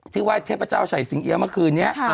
ที่ไหว้เทพเจ้าศัยศิงเยียวตอนนี้